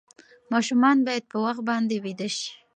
ماشومان باید په وخت باندې ویده شي.